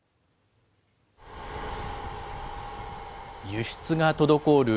輸出が滞る